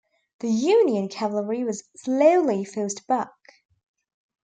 The Union cavalry was slowly forced back.